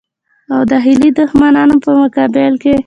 او داخلي دښمنانو په مقابل کې.